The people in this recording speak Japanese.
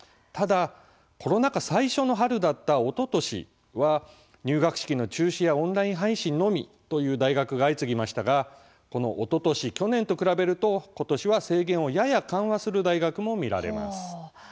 ただコロナ禍最初の春だったおととしは、入学式の中止やオンライン配信のみという大学が相次ぎましたがおととし、去年と比べるとことしは制限をやや緩和する大学も見られます。